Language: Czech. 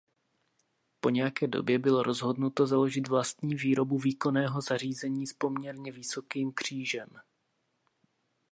Po nějaké době bylo rozhodnuto založit vlastní výrobu výkonného zařízení s poměrně vysokým křížem.